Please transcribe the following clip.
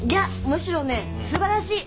むしろね素晴らしい。